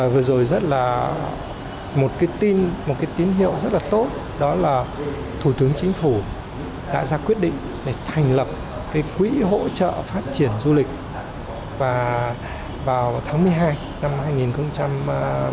vừa rồi rất là một cái tin một cái tín hiệu rất là tốt đó là thủ tướng chính phủ đã ra quyết định để thành lập cái quỹ hỗ trợ phát triển du lịch và vào tháng một mươi hai năm hai nghìn một mươi chín